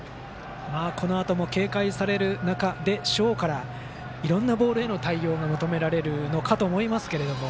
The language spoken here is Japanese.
このあとも警戒される中でしょうからいろんなボールへの対応が求められるかと思いますが。